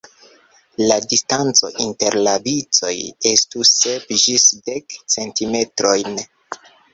La distanco inter la vicoj estu sep ĝis dek centimetrojn.